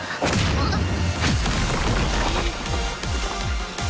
あっ！